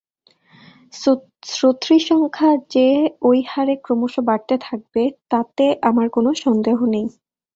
শ্রোতৃ-সংখ্যা যে ঐ হারে ক্রমশ বাড়তে থাকবে, তাতে আমার কোন সন্দেহ নেই।